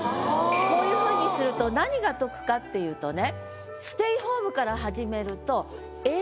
こういうふうにすると何が得かっていうとね。